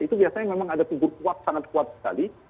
itu biasanya memang ada figur kuat sangat kuat sekali